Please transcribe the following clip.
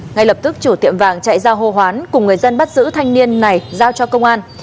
ngay lập tức chủ tiệm vàng chạy ra hô hoán cùng người dân bắt giữ thanh niên này giao cho công an